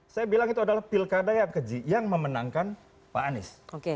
saya bilang itu adalah pilkada yang keji yang memenangkan pak anies